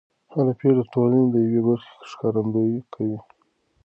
هر پېښه د ټولنې د یوې برخې ښکارندويي کوي.